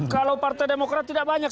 kalau partai demokrat tidak banyak